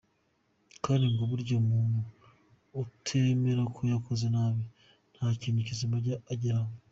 kandi ngo burya umuntu utemera ko yakoze nabi nta kintu kizima ajya ageraho.